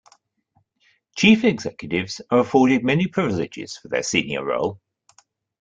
Chief executives are afforded many privileges for their senior role.